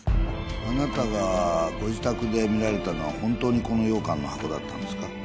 あなたがご自宅で見られたのは本当にこの羊羹の箱だったんですか？